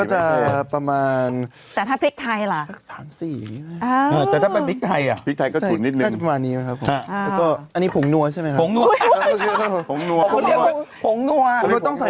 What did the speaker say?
ตำแซ่บแบมแบมบอกพี่บันดำตำแซ่บอ่ะอย่างแรกที่น้องใส่